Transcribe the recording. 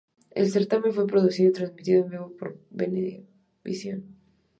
El certamen fue producido y transmitido en vivo por Venevisión.